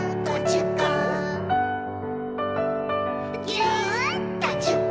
「ぎゅっとじゅっこ」